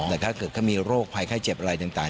แต่ถ้าเกิดเขามีโรคภัยไข้เจ็บอะไรต่าง